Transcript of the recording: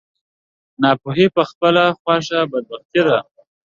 ناپوهي په خپله خوښه بدبختي ده.